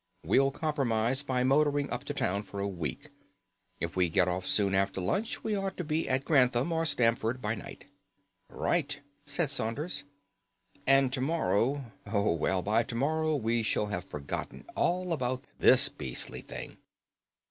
We'll compromise by motoring up to town for a week. If we get off soon after lunch we ought to be at Grantham or Stamford by night." "Right," said Saunders; "and to morrow—Oh, well, by to morrow we shall have forgotten all about this beastly thing."